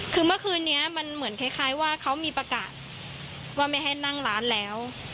คือเมื่อคืนนี้มันเหมือนคล้ายว่าเขามีประกาศว่าไม่ให้นั่งร้านแล้ว